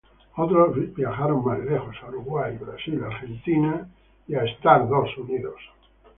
Otros viajaron más lejos, a Uruguay, Brasil, Argentina, Nueva York, Misuri y Utah.